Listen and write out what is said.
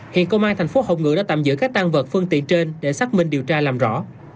hiện công an thành phố hồng ngự đã tạm giữ các tan vật phương tiện trên để xác minh điều tra làm rõ